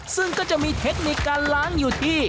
ซึ่งก็จะมีเทคนิคการล้างอยู่ที่